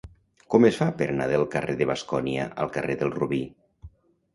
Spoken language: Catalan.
Com es fa per anar del carrer de Bascònia al carrer del Robí?